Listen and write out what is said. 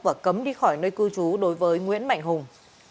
và cấm đi khỏi nơi cư trú đối với nguyễn mạnh hùng